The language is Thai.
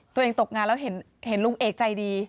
ตัวเองตกงานแล้วเห็นลุงเอกใจดี